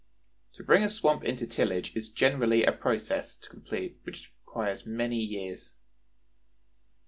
To bring a swamp into tillage is generally a process to complete which requires several years.